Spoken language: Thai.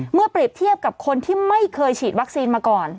เปรียบเทียบกับคนที่ไม่เคยฉีดวัคซีนมาก่อน